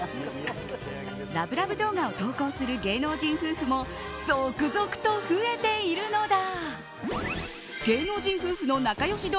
ラブラブ動画を投稿する芸能人夫婦も続々と増えているのだ。